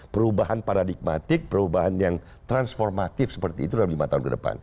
perubahan paradigmatik perubahan yang transformatif seperti itu dalam lima tahun ke depan